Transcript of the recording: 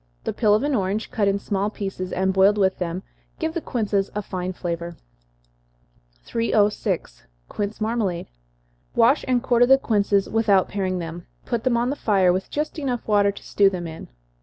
The peel of an orange, cut in small pieces, and boiled with them, gives the quinces a fine flavor. 306. Quince Marmalade. Wash and quarter the quinces, without paring them put them on the fire, with just water enough to stew them in.